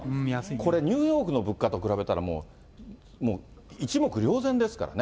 これ、ニューヨークの物価と比べたら、もう一目瞭然ですからね。